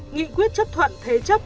nghị quyết chấp thuận thế chấp